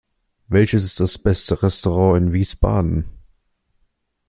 Welches ist das beste Restaurant in Wiesbaden?